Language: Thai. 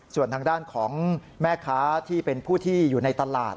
ส่วนทางด้านของแม่ค้าที่เป็นผู้ที่อยู่ในตลาด